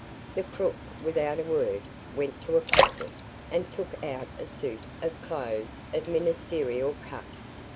The crook, without a word, went to a closet and took out a suit of clothes of ministerial cut.